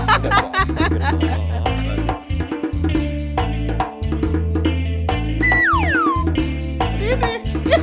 sombri coba sini sebentar